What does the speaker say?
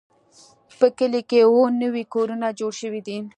په کلي کې اووه نوي کورونه جوړ شوي دي.